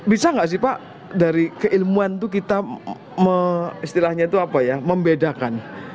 bisa nggak sih pak dari keilmuan itu kita istilahnya itu apa ya membedakan